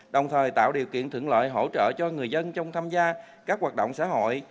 đồng thời tạo điều kiện thuận lợi hỗ trợ cho người dân trong tham gia các hoạt động xã hội